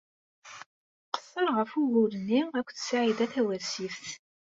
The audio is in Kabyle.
Tqeṣṣer ɣef wugur-nni akked Saɛida Tawasift.